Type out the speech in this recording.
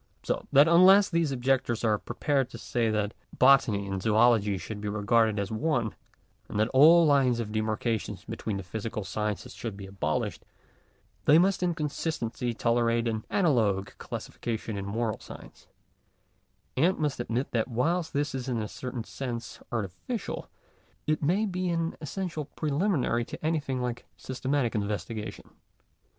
So that unless such objectors are prepared to say that Botany and Zoology should be regarded as one, and that all lines of demarcation between the physical sciences should be abolished, they must in consistency tolerate an analogous classification in moral science ; and must admit that whilst this is in a certain sense artificial, it may be an essential preliminary to anything like systematic investigation.